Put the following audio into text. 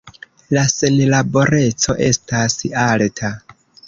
La senlaboreco estas alta.